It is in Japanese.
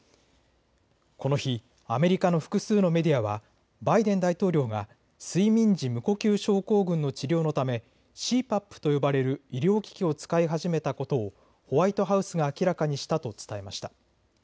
この日、アメリカの複数のメディアはバイデン大統領が睡眠時無呼吸症候群の治療のためＣＰＡＰと呼ばれる医療機器を使い始めたことをホワイトハウスが明らかにしたと伝えました。